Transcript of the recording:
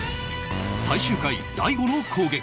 最終回大悟の攻撃